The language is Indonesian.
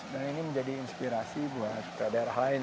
dan ini menjadi inspirasi buat daerah lain